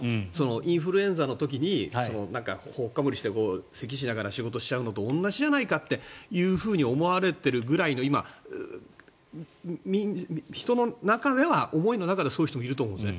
インフルエンザの時にほっかむりしてせきをしながら仕事しちゃうのと同じじゃないかっていうふうに思われているぐらいの今、人の中では思いの中ではそういう人もいると思うんですね。